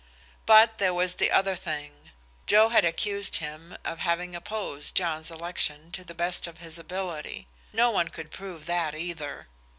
But there was the other thing: Joe had accused him of having opposed John's election to the best of his ability. No one could prove that either.